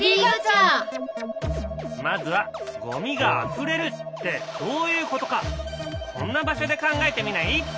まずは「ゴミがあふれる」ってどういうことかこんな場所で考えてみない？